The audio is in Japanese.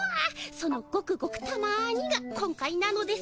その「ごくごくたまに」が今回なのですね。